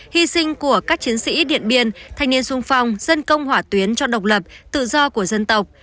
hy sinh của các chiến sĩ điện biên thanh niên sung phong dân công hỏa tuyến cho độc lập tự do của dân tộc